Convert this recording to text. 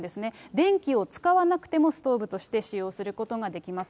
電気を使わなくてもストーブとして使用することができます。